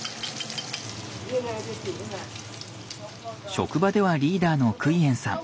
職場ではリーダーのクイエンさん。